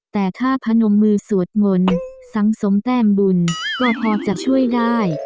แต่ถ้าพนมมือสวดมนต์สังสมแต้มบุญก็พอจะช่วยได้